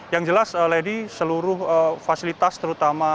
yang jelas lady seluruh fasilitas terutama